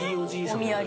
お土産。